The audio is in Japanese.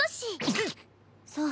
いっ⁉そう。